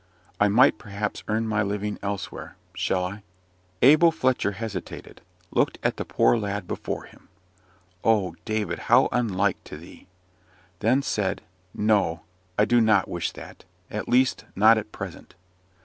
I might perhaps earn my living elsewhere; shall I?" Abel Fletcher hesitated, looked at the poor lad before him (oh, David! how unlike to thee), then said, "No I do not wish that. At least, not at present."